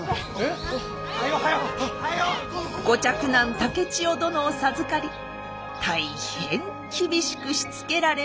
竹千代殿を授かり大変厳しくしつけられました。